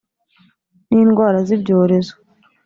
n’indwara z’ibyorezo